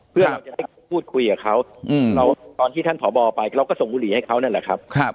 เพื่อเราจะได้พูดคุยกับเขาตอนที่ท่านผอบอไปเราก็ส่งบุหรี่ให้เขานั่นแหละครับ